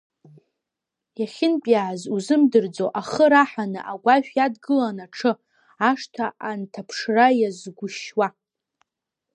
Иахьынтәиааз узымдырӡо, ахы раҳаны агәашә иадгылан аҽы, ашҭа анҭаԥшра иазгәышьуа.